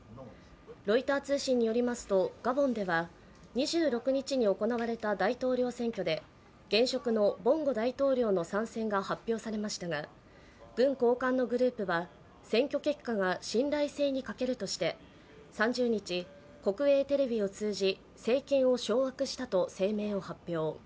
ロイター通信によりますと、ガボンでは２６日に行われた大統領選挙で現職のボンゴ大統領の３選が発表されましたが、軍高官のグループは選挙結果が信頼性に欠けるとして３０日、国営テレビを通じ政権を掌握したと声明を発表。